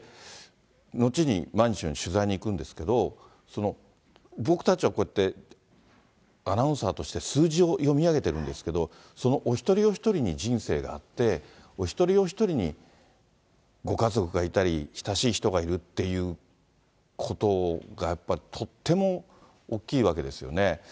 後に、取材しに行くんですけど、僕たちはこうやってアナウンサーとして数字を読み上げてるんですけど、そのお一人お一人に人生があって、お一人お一人にご家族がいたり、親しい人がいるっていうことを、やっぱとっても大きいわけですよね。